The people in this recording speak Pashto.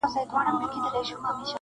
o حقيقت ورو ورو پټيږي ډېر ژر,